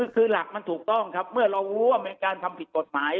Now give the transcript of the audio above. คือหลักมันถูกต้องครับเมื่อเรารู้ว่าเป็นการทำผิดกฎหมาย